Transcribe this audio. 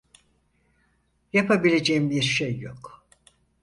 Yapabileceğim bir şey yok.